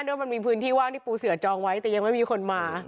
ว่ามันมีพื้นที่ว่างที่ปูเสือจองไว้แต่ยังไม่มีคนมา